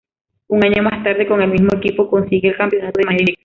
Un año más tarde, con el mismo equipo, consigue el campeonato de manera invicta.